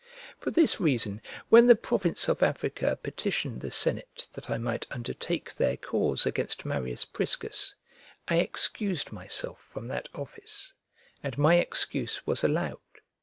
For this reason, when the province of Africa petitioned the senate that I might undertake their cause against Marius Priscus, I excused myself from that office; and my excuse was allowed.